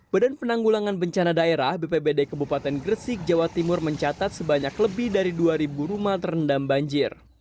badan penanggulangan bencana daerah bpbd kebupaten gresik jawa timur mencatat sebanyak lebih dari dua rumah terendam banjir